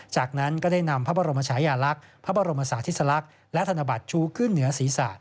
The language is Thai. จากนั้นก็ได้นำพระบรมชายาลักษณ์พระบรมศาสติสลักษณ์และธนบัตรชูขึ้นเหนือศีรษะ